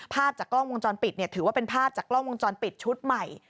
ภาพจากกล้องวงจรปิดถือว่าเป็นภาพจากกล้องวงจรปิดชุดใหม่